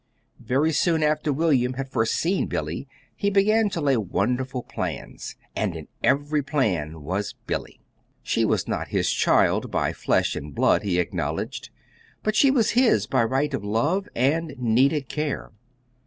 Very soon after William had first seen Billy, he began to lay wonderful plans, and in every plan was Billy. She was not his child by flesh and blood, he acknowledged, but she was his by right of love and needed care.